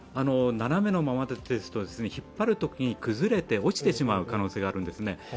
斜めのままですと、引っ張るとき崩れて落ちてしまう可能性があるんですね。